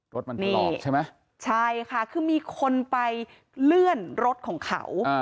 รถมันออกใช่ไหมใช่ค่ะคือมีคนไปเลื่อนรถของเขา